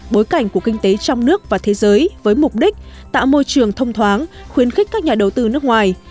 bối cảnh của kinh tế trong nước và thế giới với mục đích tạo môi trường thông thoáng khuyến khích các nhà đầu tư nước ngoài